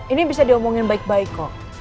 ini bisa diomongin baik baik kok